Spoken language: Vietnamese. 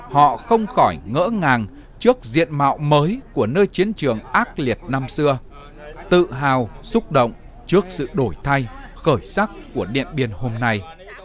họ không khỏi ngỡ ngàng trước diện mạo mới của nơi chiến trường ác liệt năm xưa tự hào xúc động trước sự đổi thay khởi sắc của điện biên hôm nay